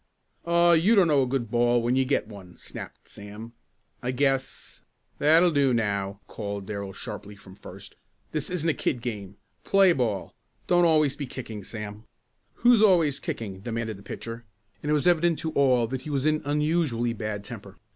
"Aw, you don't know a good ball when you get one," snapped Sam. "I guess " "That'll do now!" called Darrell sharply from first. "This isn't a kid game. Play ball. Don't be always kicking, Sam." "Who is always kicking?" demanded the pitcher, and it was evident to all that he was in unusually bad temper.